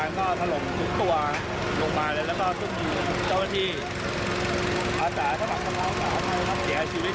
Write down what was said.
เป็นผู้ให้ชีวิตสะพวงหลายนาทีครับ